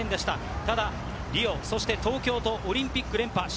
ただリオ、東京とオリンピック連覇。